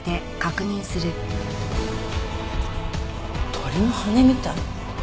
鳥の羽根みたい。